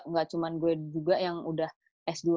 nggak cuma gue juga yang udah s dua